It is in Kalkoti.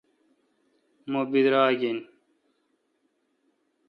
مہ براگ این